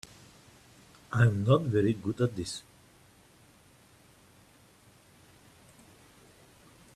I'm not very good at this.